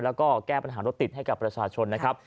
แล้วก็แก้ปัญหารถติดให้กับประชาชนนะครับ